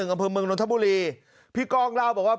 อำเภอเมืองนนทบุรีพี่ก้องเล่าบอกว่า